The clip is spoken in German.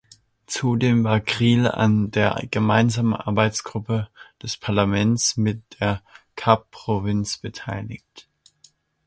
Zudem war Kriel an der gemeinsamen Arbeitsgruppe des Parlaments mit der Kapprovinz beteiligt.